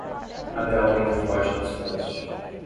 Haverá um vento forte do sudeste.